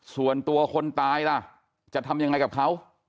ส่วนตัวคนตายล่ะจะทำยังไงกับเขา